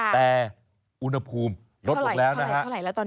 แต่อุณหภูมิลดออกแล้วนะครับ